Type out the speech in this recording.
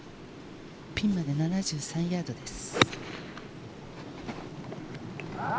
ピンまで７３ヤードです。